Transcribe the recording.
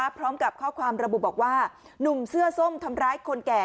พร้อมกับข้อความระบุบอกว่าหนุ่มเสื้อส้มทำร้ายคนแก่